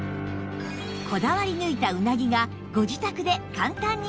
こだわり抜いたうなぎがご自宅で簡単に味わえます